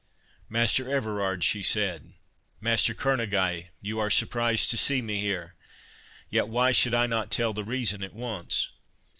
"Master Everard," she said—"Master Kerneguy, you are surprised to see me here—Yet, why should I not tell the reason at once?